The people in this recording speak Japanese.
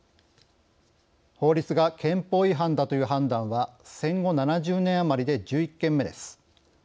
法律が憲法違反だという判断は戦後７０年余りで１１件目です。